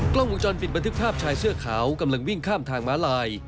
กล้องวงจรปิดบันทึกภาพชายเสื้อขาวกำลังวิ่งข้ามทางม้าลาย